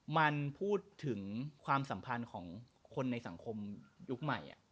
มันพูดถึงความสัมพันธ์ของคนในสังคมยุคใหม่